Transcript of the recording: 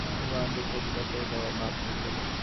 মহেন্দ্রের সহিত গদাধরের বড়ো ভাব হইয়াছিল।